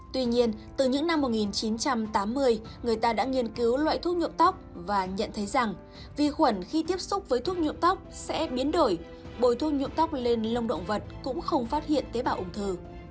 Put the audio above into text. tuy nhiên từ những năm một nghìn chín trăm tám mươi người ta đã nghiên cứu loại thuốc nhuộm tóc và nhận thấy rằng vi khuẩn khi tiếp xúc với thuốc nhuộm tóc sẽ biến đổi bồi thương nhuộm tóc lên lông động vật cũng không phát hiện tế bào ung thư